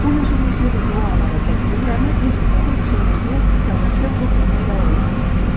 Una solució habitual a aquest problema és l'aproximació de la pseudoprimera ordre.